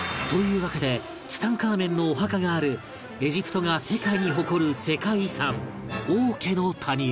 わけでツタンカーメンのお墓があるエジプトが世界に誇る世界遺産王家の谷へ